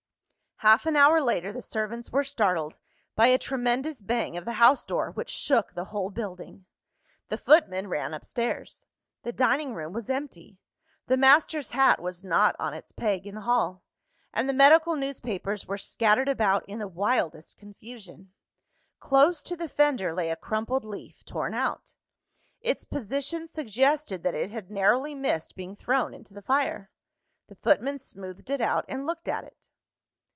Half an hour later, the servants were startled by a tremendous bang of the house door which shook the whole building. The footman ran upstairs: the dining room was empty; the master's hat was not on its peg in the hall; and the medical newspapers were scattered about in the wildest confusion. Close to the fender lay a crumpled leaf, torn out. Its position suggested that it had narrowly missed being thrown into the fire. The footman smoothed it out, and looked at it.